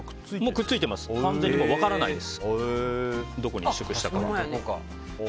くっついてます分からないです。